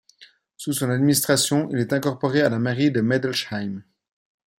Sous son administration, il est incorporé à la mairie de Medelsheim.